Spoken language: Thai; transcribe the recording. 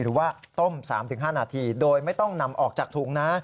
หรือว่าต้ม๓๕นาทีโดยไม่ต้องนำออกจากถุงนะ